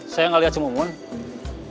saya nggak lihat semuanya